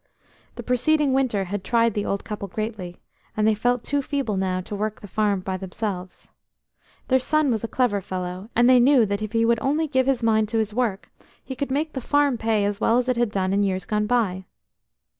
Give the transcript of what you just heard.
The preceding winter had tried the old couple greatly, and they felt too feeble now to work the farm by themselves. Their son was a clever fellow, and they knew that if he would only give his mind to his work, he could make the farm pay as well as it had done in years gone by.